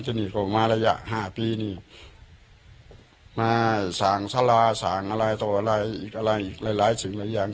หนีออกมาระยะห้าปีนี่มาสั่งสาราสั่งอะไรต่ออะไรอีกอะไรอีกหลายหลายสิ่งหลายอย่าง